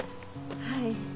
はい。